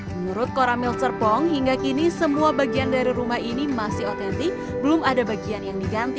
menurut koramil serpong hingga kini semua bagian dari rumah ini masih otentik belum ada bagian yang diganti